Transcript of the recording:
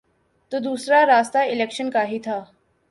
تو دوسرا راستہ الیکشن کا ہی تھا۔